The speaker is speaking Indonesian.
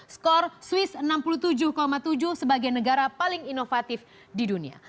skor swiss enam puluh tujuh tujuh sebagai negara paling inovatif di dunia